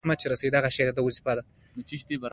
د سارا ورور مړ وو؛ دې په کور کې کوربل واهه.